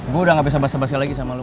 gue udah gak bisa basah basi lagi sama lo